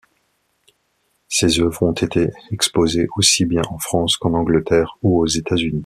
Ses œuvres ont été exposées aussi bien en France qu'en Angleterre ou aux États-Unis.